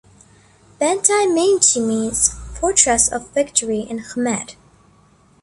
Banteay Meanchey means "Fortress of Victory" in Khmer.